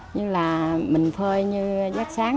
như là mình phơi như giấc sáng